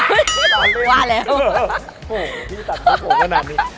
พี่ตัดมือผมขนาดนี้